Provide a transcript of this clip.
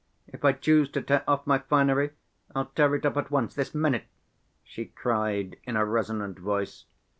If I choose to tear off my finery, I'll tear it off at once, this minute," she cried in a resonant voice.